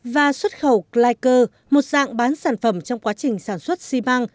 và xuất khẩu clysker một dạng bán sản phẩm trong quá trình sản xuất xi măng